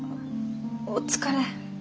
お疲れ。